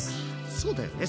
そうだよね